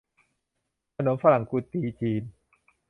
ขนมฝรั่งกุฎีจีน